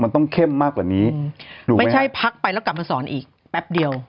มันต้องเข้มมากกว่านี้ไม่ใช่พักไปแล้วกลับมาสอนอีกแป๊บเดียว